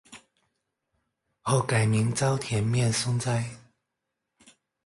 后改名沼田面松斋。